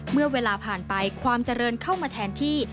เมื่อเวลาผ่านไปความเจริญเข้ามาแทนที่